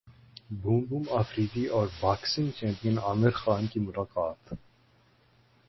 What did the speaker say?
boom Boom Afridi اور boxing champion Amir Khan کی ملاقات